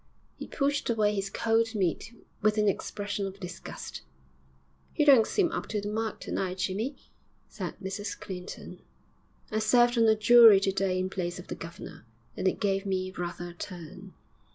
He pushed away his cold meat with an expression of disgust. 'You don't seem up to the mark to night, Jimmy,' said Mrs Clinton. 'I served on a jury to day in place of the governor, and it gave me rather a turn.'